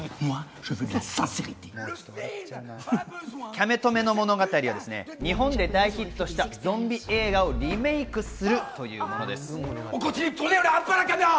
『キャメ止め』の物語は日本で大ヒットしたゾンビ映画をリメイクするというものです。